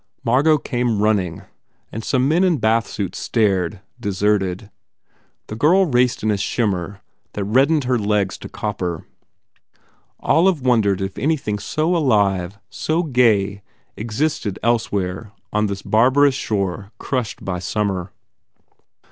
Margot came running and some men in bathsuits stared, deserted. The girl raced in a shimmer that red dened her legs to copper. Olive wondered if any thing so alive, so gay existed elsewhere on this barbarous shore crushed by summer.